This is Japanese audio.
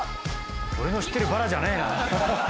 俺の知ってるバラじゃねえな